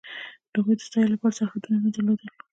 د هغوی د ستایلو لپاره سرحدونه نه درلودل.